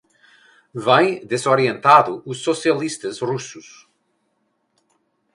vêm desorientando os socialistas russos